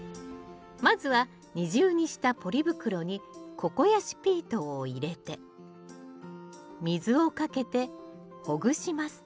まずは二重にしたポリ袋にココヤシピートを入れて水をかけてほぐします。